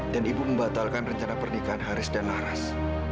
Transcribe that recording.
dan ibu membatalkan rencana pernikahan haris dan laras